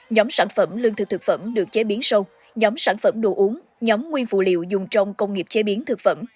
nhóm sản phẩm lương thực thực phẩm được chế biến sâu nhóm sản phẩm đồ uống nhóm nguyên vụ liệu dùng trong công nghiệp chế biến thực phẩm